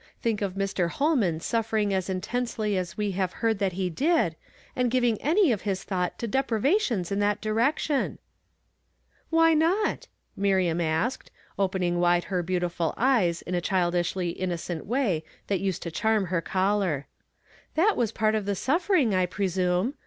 Think of Mr. ITolman suffering as intensely as we have heard that he did, and giving any of his thought to deprivations in that direction !" "Why not?" Miriam asked, oi)ening wide her beautiful eyes in a childishly innocent way that used to charm her caller. " That was part of the suffering, I presume.